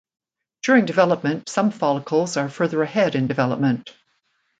During development some follicles are further ahead in development.